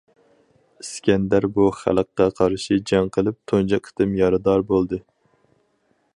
ئىسكەندەر بۇ خەلققە قارشى جەڭ قىلىپ تۇنجى قېتىم يارىدار بولدى.